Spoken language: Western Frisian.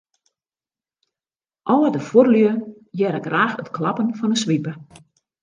Alde fuorlju hearre graach it klappen fan 'e swipe.